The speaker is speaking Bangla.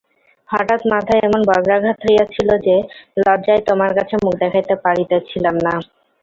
হঠাৎ মাথায় এমন বজ্রাঘাত হইয়াছিল যে, লজ্জায় তোমার কাছে মুখ দেখাইতে পারিতেছিলাম না।